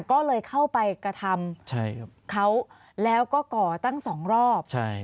ก็เลยเข้าไปกระทำเขาแล้วก็ก่อตั้งสองรอบ